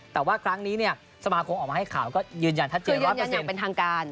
แต่ว่าครั้งนี้เนี่ยสมาคมออกมาให้ข่าวก็ยืนยันทัศน์อย่างเป็นทางการ